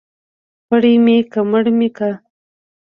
پړ مى که مړ مى که.